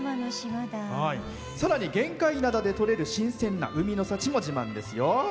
さらに玄界灘で取れる新鮮な海の幸も自慢ですよ。